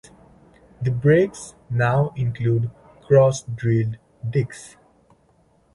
The brakes now included cross-drilled discs.